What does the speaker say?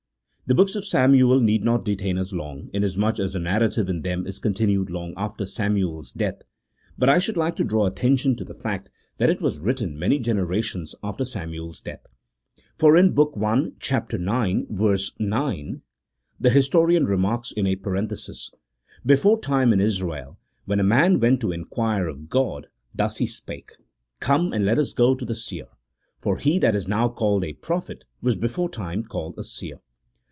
The books of Samuel need not detain us long, inasmuch as the narrative in them is continued long after Samuel's death ; but I should like to draw attention to the fact that it was written many generations after Samuel's death. For in book i. chap. ix. verse 9, the historian remarks in & parenthesis, " Beforetime, in Israel, when a man went to inquire of God, thus he spake : Come, and let us go to the seer ; for he that is now called a prophet was beforetime called a seer."